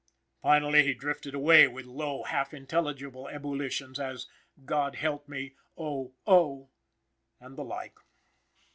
Finally he drifted away with low, half intelligible ebullitions, as "God help me," "oh! oh!" and the like.